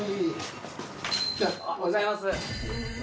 おはようございます。